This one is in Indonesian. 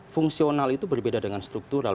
fungsional itu berbeda dengan struktural